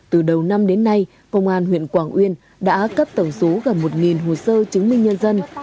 từ đầu năm đến nay công an huyện quảng uyên đã cấp tổng số gần một hồ sơ chứng minh nhân dân